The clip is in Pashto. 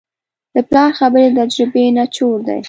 د پلار خبرې د تجربې نچوړ دی.